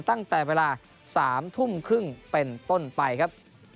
ตั้งแต่เวลา๓ทุ่มครึ่งเป็นต้นไปครับ